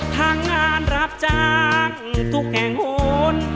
ถ้างานรับจังทุกแข่งหุ้น